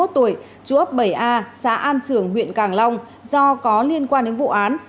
bốn mươi một tuổi trú ấp bảy a xã an trường huyện càng long do có liên quan đến vụ án